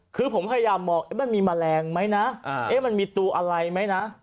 คือผมพยายามมองมันมีแมลงไหมนะมันมีตัวอะไรไหมนะ